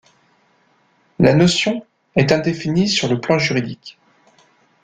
La notion est indéfinie sur le plan juridique.